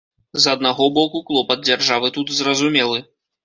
З аднаго боку, клопат дзяржавы тут зразумелы.